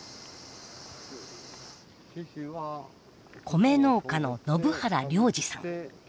米農家の延原良治さん。